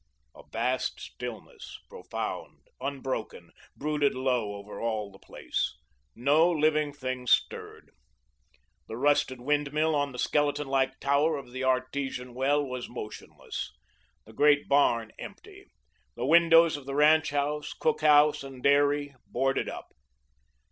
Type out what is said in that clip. A vast stillness, profound, unbroken, brooded low over all the place. No living thing stirred. The rusted wind mill on the skeleton like tower of the artesian well was motionless; the great barn empty; the windows of the ranch house, cook house, and dairy boarded up.